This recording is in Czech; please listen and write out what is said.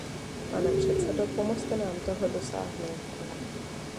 Pane předsedo, pomozte nám toho dosáhnout.